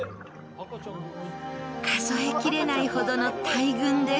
数えきれないほどの大群です。